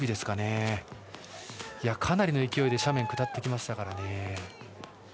かなりの勢いで斜面を下っていきましたからね。